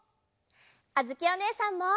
あづきおねえさんも！